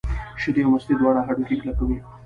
شیدې او مستې دواړه هډوکي کلک کوي.